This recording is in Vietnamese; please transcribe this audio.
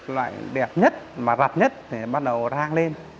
loại đẹp nhất mà rặt nhất thì bắt đầu rang lên